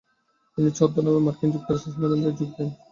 তিনি ছদ্মনামে মার্কিন যুক্তরাষ্ট্রের সেনাবাহিনীতে যোগ দেন।